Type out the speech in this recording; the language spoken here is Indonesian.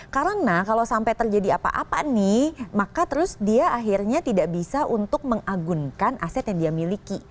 karena kalau sampai terjadi apa apa nih maka terus dia akhirnya tidak bisa untuk mengagunkan aset yang dia miliki